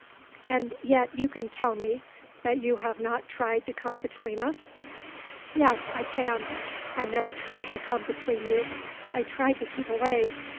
"And yet you can tell me that you have not tried to come between us." "Yes; I can. I never tried to come between you. I tried to keep away.